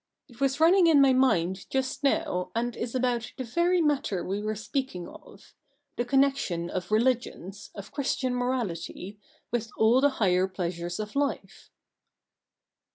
It was running in my mind just now, and is about the L i62 THE NEW REPUBLIC [bk. hi very matter we were speaking of — the connection of religions, of Christian morality, with all the higher pleasures of life.'